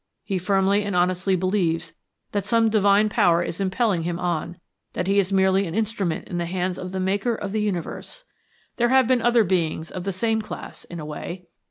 He firmly and honestly believes that some divine power is impelling him on, that he is merely an instrument in the hands of the Maker of the universe. There have been other beings of the same class in a way.